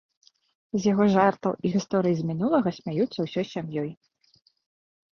З яго жартаў і гісторый з мінулага смяюцца ўсёй сям'ёй.